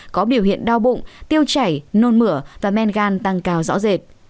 có biểu hiện đau bụng tiêu chảy nôn mửa và men gan tăng cao rõ rệt